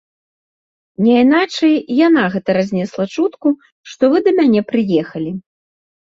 Няйначай, яна гэта разнесла чутку, што вы да мяне прыехалі.